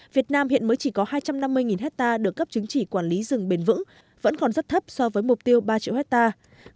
việt nam hiện mới chỉ có hai trăm năm mươi hectare được cấp chứng chỉ quản lý rừng bền vững vẫn còn rất thấp so với mục tiêu ba triệu hectare